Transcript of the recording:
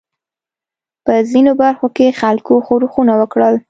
په ځینو برخو کې خلکو ښورښونه وکړل.